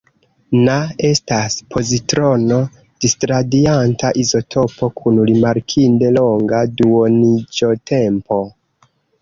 Na estas pozitrono-disradianta izotopo kun rimarkinde longa duoniĝotempo.